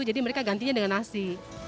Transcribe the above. jadi mereka gantinya dengan nasi